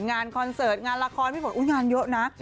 งานคอนเสิร์ตงานละครพี่ฝนงานเยอะนะ